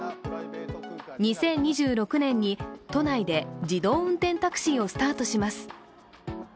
２０２６年に都内で自動運転タクシーをスタートします。